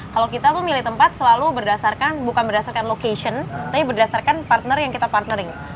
kalau kita tuh milih tempat selalu berdasarkan bukan berdasarkan location tapi berdasarkan partner yang kita partner